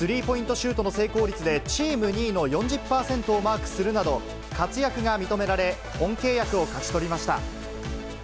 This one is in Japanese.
シュートの成功率でチーム２位の４０％をマークするなど、活躍が認められ、本契約を勝ち取りました。